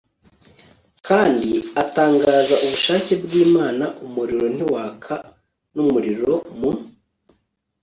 kandi atangaza ubushake bw'imana. umuriro ntiwaka n'umuriro. mu